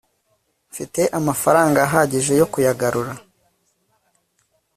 mfite amafaranga ahagije yo kuyagura